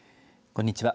こんにちは。